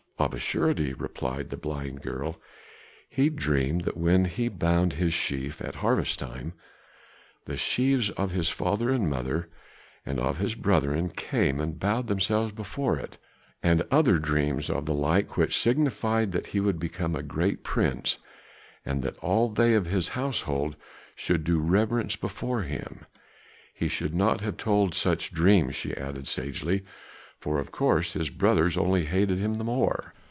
"Of a surety," replied the blind girl; "he dreamed that when he bound his sheaf at harvest time, the sheaves of his father and mother and of his brethren came and bowed themselves before it, and other dreams of the like which signified that he would become a great prince, and that all they of his household should do reverence before him. He should not have told such dreams," she added sagely, "for of course his brothers only hated him the more.